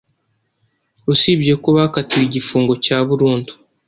Usibye ku bakatiwe igifungo cya burundu